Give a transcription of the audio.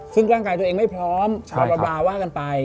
ซึ่งร่างกายตัวเองไม่พร้อมชาวลาว่ากันไป